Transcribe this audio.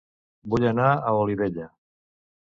Vull anar a Olivella